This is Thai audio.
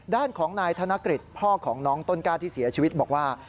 ด้านของนายธนกฤษพ่อของน้องต้นกล้าที่เสียชีวิตบอกว่า